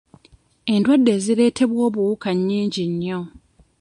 Endwadde ezireetebwa obuwuka nnyingi nnyo.